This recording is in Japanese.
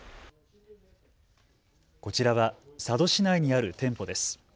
こちらは佐渡市内にある店舗です。